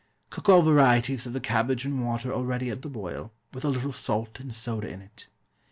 Cook all varieties of the cabbage in water already at the boil, with a little salt and soda in it.